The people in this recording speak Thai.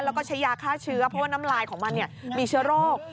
แล้วก็ใช้ยาฆ่าเชื้อเพราะว่าน้ำลายของมันมีเชื้อโรค